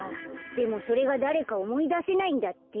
でもそれがだれかおもいだせないんだって。